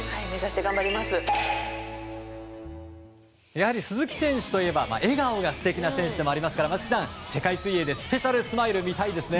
やはり鈴木選手といえば笑顔が素敵な選手ですから松木さん、世界水泳でスペシャルスマイルを見たいですね。